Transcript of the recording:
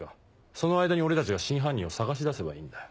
その間に俺たちが真犯人を捜し出せばいいんだよ。